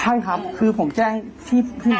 ใช่ครับคือผมแจ้งพี่พี่หมอ